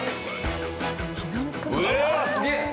うわあすげえ！